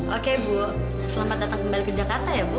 oke bu selamat datang kembali ke jakarta ya bu